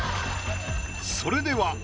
それでは。